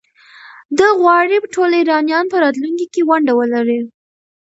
ده غواړي ټول ایرانیان په راتلونکي کې ونډه ولري.